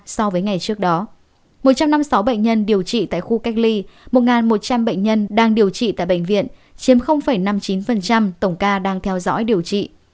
so với ngày trước đó một trăm năm mươi sáu bệnh nhân điều trị tại khu cách ly một một trăm linh bệnh nhân đang điều trị tại bệnh viện chiếm năm mươi chín tổng ca đang theo dõi điều trị